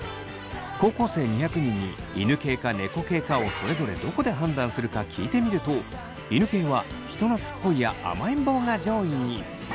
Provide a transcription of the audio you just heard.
高校生２００人に犬系か猫系かをそれぞれどこで判断するか聞いてみると犬系は人なつっこいや甘えん坊が上位に！